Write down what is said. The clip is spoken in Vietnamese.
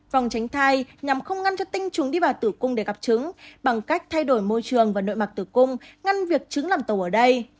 vòng tránh thai nhằm không ngăn cho tinh trùng đi vào tử cung để gặp trứng bằng cách thay đổi môi trường và nội mặt tử cung ngăn việc trứng làm tàu ở đây